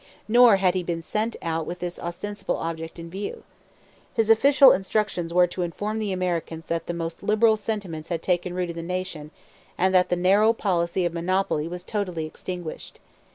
Nor had he been sent out with this ostensible object in view. His official instructions were to inform the Americans that 'the most liberal sentiments had taken root in the nation, and that the narrow policy of monopoly was totally extinguished.'